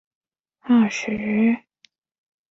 并且从此不断派遣使者到金国求和要迎韦氏回南宋。